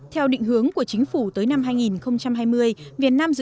theo định hướng của chính phủ tới năm hai nghìn hai mươi